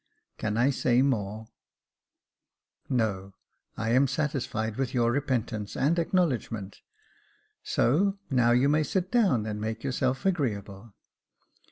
Can I say more ?"" No : I am satisfied with your repentance and acknow ledgment. So, now you may sit down and make yourself agreeable."